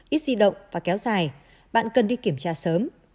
ít di động và kéo dài bạn cần đi kiểm tra sớm